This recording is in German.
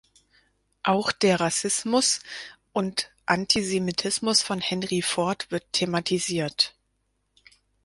Auch der Rassismus und Antisemitismus von Henry Ford wird thematisiert.